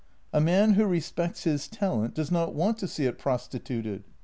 " A man who respects his talent does not want to see it prostituted.